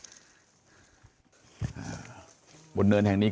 ซึ่งที่บ้านด้านล่างของผู้ตายเนี่ย